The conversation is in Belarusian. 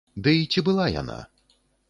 Дый ці была яна?